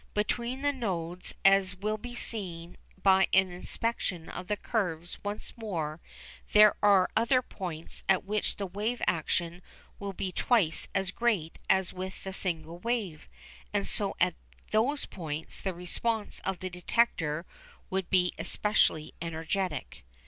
Between the nodes, as will be seen by an inspection of the curves once more, there are other points at which the wave action will be twice as great as with the single wave, and so at those points the response of the detector would be especially energetic.